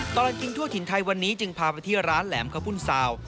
ตลอดกินทั่วถิ่นไทยวันนี้จึงพาไปที่ร้านแหลมข้าวปุ่นซาว